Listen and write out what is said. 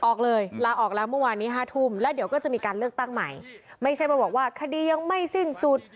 ออกเลยลาออกแล้วเมื่อวานนี้๕ทุ่มแล้วเดี๋ยวก็จะมีการเลือกตั้งใหม่ไม่ใช่มาบอกว่าคดียังไม่สิ้นสุด